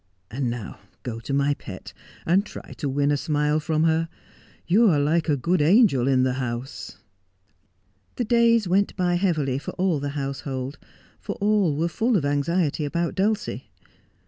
And now go to my pet, and try to win a smile from her. You are like a good angel in the house.' The days went by heavily for all the household , for all were full of anxiety about Dulcie.